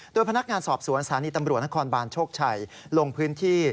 โดยพนักงานสอบสวนสถานีตำรวจนครบานโชคชัยลงพื้นที่